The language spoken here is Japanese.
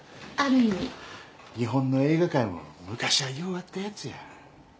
日本の映画界も昔はようあったやつや。